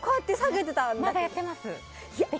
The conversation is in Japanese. まだやってます。